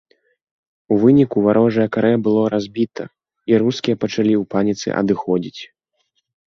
У выніку варожае карэ было разбіта, і рускія пачалі ў паніцы адыходзіць.